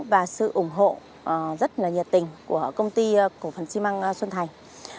và sự ủng hộ rất là nhiệt tình của công ty cổ phần xi măng xuân thành